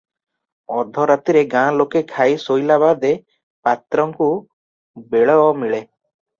ଅଧ ରାତିରେ ଗାଁ ଲୋକେ ଖାଇ ଶୋଇଲା ବାଦେ ପାତ୍ରଙ୍କୁ ବେଳ ମିଳେ ।